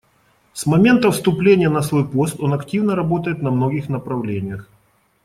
С момента вступления на свой пост он активно работает на многих направлениях.